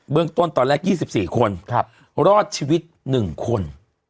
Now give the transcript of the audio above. เรื่องต้นตอนแรก๒๔คนรอดชีวิต๑คน